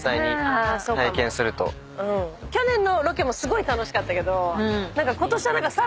去年のロケもすごい楽しかったけどことしはさらに。